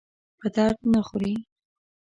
په درد نه خوري.